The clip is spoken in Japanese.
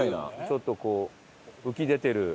ちょっとこう浮き出てる感じ？